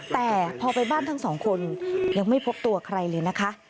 แต่พอไปบ้านทั้งสองคนยังไม่พบตัวใครเลยนะคะ